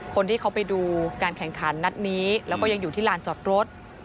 คนที่เขาไปดูการแข่งขันนัดนี้แล้วก็ยังอยู่ที่ลานจอดรถ